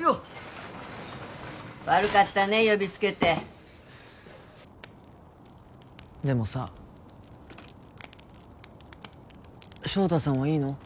よっ悪かったね呼びつけてでもさ翔太さんはいいの？